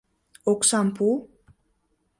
Оксам пу!